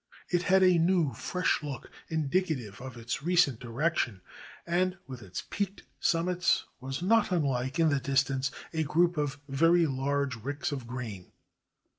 It had a new, fresh look, indicative of its recent erection, and with its peaked summits was not unlike, in the dis tance, a group of very large ricks of grain.